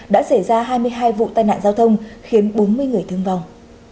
đã xảy ra hai mươi hai vụ tai nạn giao thông khiến bốn mươi người thương vong